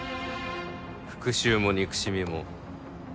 復讐も憎しみも。